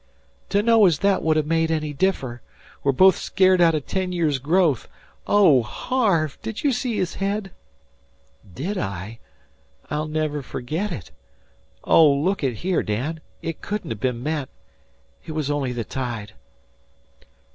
"Dunno as thet would ha' made any differ. We're both scared out o' ten years' growth. Oh, Harve, did ye see his head?" "Did I? I'll never forget it. But look at here, Dan; it couldn't have been meant. It was only the tide."